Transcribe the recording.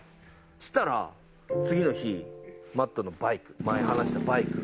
そしたら次の日マッドのバイク前話したバイク。